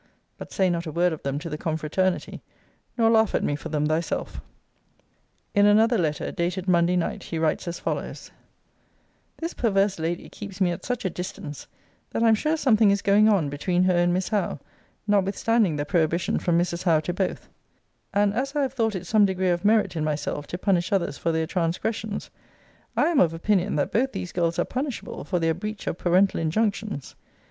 But say not a word of them to the confraternity: nor laugh at me for them thyself. In another letter, dated Monday night, he writes as follows: This perverse lady keeps me at such a distance, that I am sure something is going on between her and Miss Howe, notwithstanding the prohibition from Mrs. Howe to both: and as I have thought it some degree of merit in myself to punish others for their transgressions, I am of opinion that both these girls are punishable for their breach of parental injunctions.